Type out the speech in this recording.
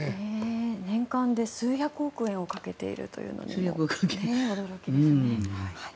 年間で数百億円をかけているのも驚きですよね。